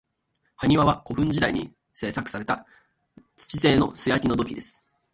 埴輪は、古墳時代に製作された土製の素焼きの土器です。